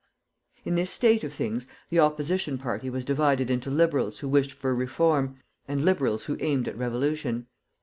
In this state of things the opposition party was divided into liberals who wished for reform, and liberals who aimed at revolution.